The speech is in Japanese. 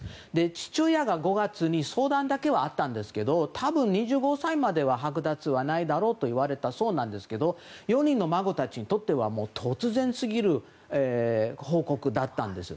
父親へ５月に相談だけはあったんですが多分、２５歳までは剥奪はないだろうと言われたそうなんですが４人の孫たちにとっては突然すぎる報告だったんです。